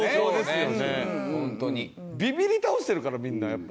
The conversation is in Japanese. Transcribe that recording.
ビビり倒してるからみんなやっぱ。